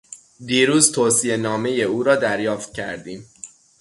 دیروز توصیهنامهی او را دریافت کردیم.